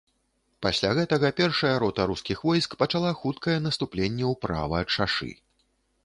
Пасля гэтага першая рота рускіх войск пачала хуткае наступленне ўправа ад шашы.